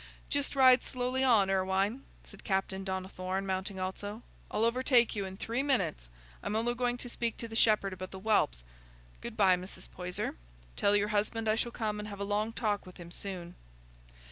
"Just ride slowly on, Irwine," said Captain Donnithorne, mounting also. "I'll overtake you in three minutes. I'm only going to speak to the shepherd about the whelps. Good bye, Mrs. Poyser; tell your husband I shall come and have a long talk with him soon."